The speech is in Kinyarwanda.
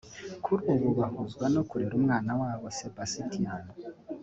kuri ubu bahuzwa no kurera umwana wabo Sebastian